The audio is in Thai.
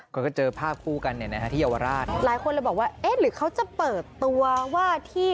เขาก็เจอภาพคู่กันเนี่ยนะฮะที่เยาวราชหลายคนเลยบอกว่าเอ๊ะหรือเขาจะเปิดตัวว่าที่